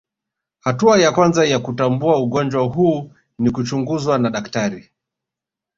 Hatua ya kwanza ya kutambua ugonjwa huu ni kuchunguzwa na daktari